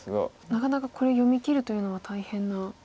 なかなかこれを読みきるというのは大変な。